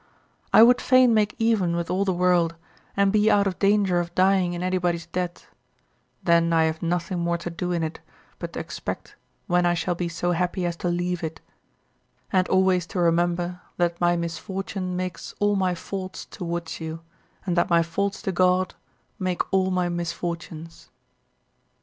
I would fain make even with all the world, and be out of danger of dying in anybody's debt; then I have nothing more to do in it but to expect when I shall be so happy as to leave it, and always to remember that my misfortune makes all my faults towards you, and that my faults to God make all my misfortunes.